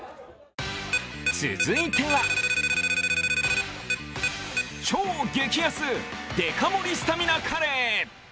続いては、超激安、デカ盛りスタミナカレー。